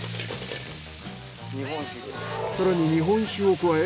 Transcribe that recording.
更に日本酒を加え。